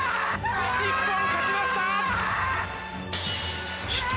日本勝ちました。